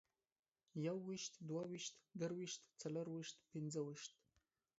يوويشت، دوه ويشت، درویشت، څلرويشت، پنځه ويشت